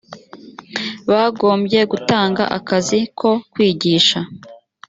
bagombye gutanga akazi ko kwigisha